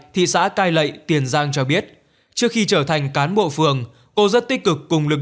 thị xã cai lậy tiền giang cho biết trước khi trở thành cán bộ phường cô rất tích cực cùng lực